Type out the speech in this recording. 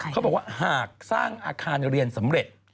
เขาบอกว่าหากสร้างอาคารเรียนสำเร็จ